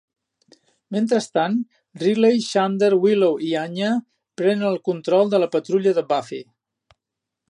Mentrestant, Riley, Xander, Willow i Anya prenen el control de la patrulla de Buffy.